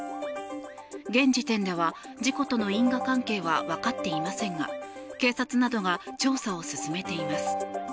現時点では事故との因果関係は分かっていませんが警察などが調査を進めています。